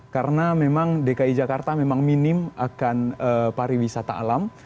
karena memang dki jakarta memang minim akan pariwisata alam